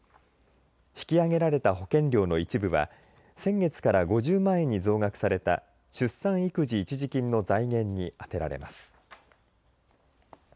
引き上げられた保険料の一部は先月から５０万円に増額された出産育児一時金の財源に充てられます。